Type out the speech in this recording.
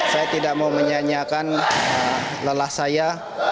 saya tidak mau menyanyikan lelah saya